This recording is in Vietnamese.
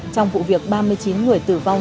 trong vụ việc ba mươi chín người tử vong